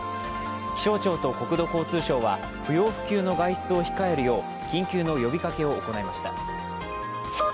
気象庁と国土交通省は、不要不急の外出を控えるよう緊急の呼びかけを行いました。